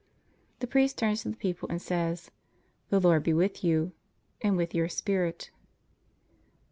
The priest turns to the people and says: The Lord be with you. And with your spirit.